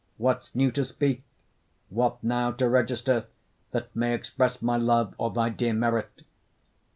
What's new to speak, what now to register, That may express my love, or thy dear merit?